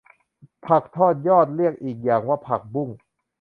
ผักทอดยอดเรียกอีกอย่างว่าผักบุ้ง